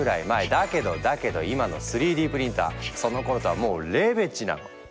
だけどだけど今の３Ｄプリンターそのころとはもうレベチなの！